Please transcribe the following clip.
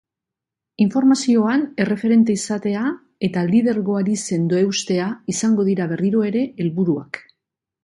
Informazioan erreferente izatea eta lidergoari sendo eustea izango dira berriro ere helburuak.